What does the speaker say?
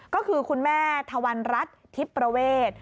ก็คือคุณแม่ธวรรณรัฐทิพย์ประเวท